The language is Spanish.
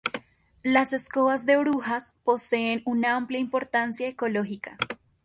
Las escobas de brujas poseen una amplia importancia ecológica.